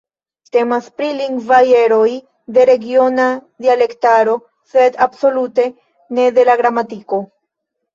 Temas pri lingvaj eroj de regiona dialektaro, sed absolute ne de la gramatiko.